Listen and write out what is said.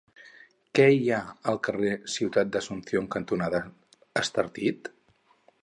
Què hi ha al carrer Ciutat d'Asunción cantonada Estartit?